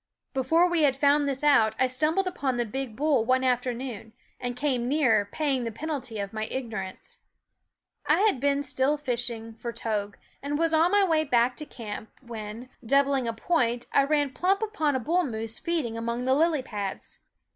Before we had found this out I stumbled upon the big bull one afternoon, and came near paying the penalty of my ignorance. I had been still fishing for togue, and was on my way back to camp when, doubling a THE WOODS point, I ran plump upon a bull moose feed ing among the lily pads.